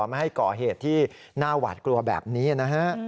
ไม่ให้ก่อเหตุที่น่าหวาดกลัวแบบนี้นะฮะ